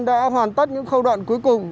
đã hoàn tất những khâu đoạn cuối cùng